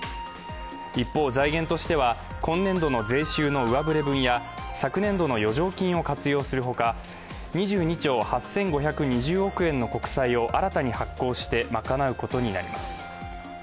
一方財源としては今年度の税収の上振れ分や昨年度の余剰金を活用するほか、２２兆８５２０億円の国債を新たに発行して賄うことになります。